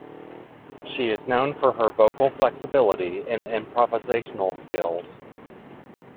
She is known for her vocal flexibility and improvisational skills.